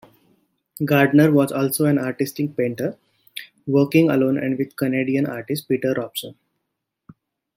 Gardner was also an artistic painter, working alone and with Canadian artist Peter Robson.